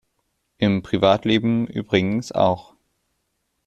Im Privatleben übrigens auch.